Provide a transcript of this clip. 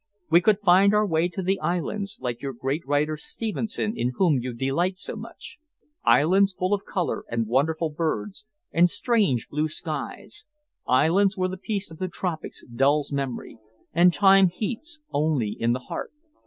We could find our way to the islands, like your great writer Stevenson in whom you delight so much; islands full of colour, and wonderful birds, and strange blue skies; islands where the peace of the tropics dulls memory, and time beats only in the heart.